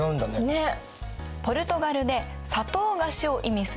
ねっ。